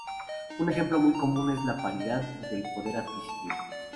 Un ejemplo muy común es la paridad del poder adquisitivo.